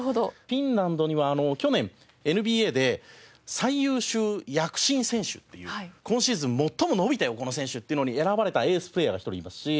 フィンランドには去年ＮＢＡで最優秀躍進選手っていう今シーズン最も伸びたよこの選手っていうのに選ばれたエースプレーヤーが１人いますし。